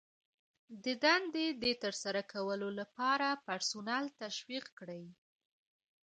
د دندې د ترسره کولو لپاره پرسونل تشویق کړئ.